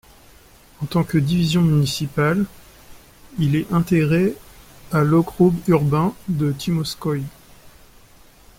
En tant que division municipale, il est intégré à lokroug urbain de Tymovskoïe.